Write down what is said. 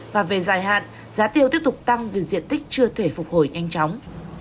và về dài hạn giá tiêu tiếp tục tăng vì diện tích chưa thể phục hồi nhanh chóng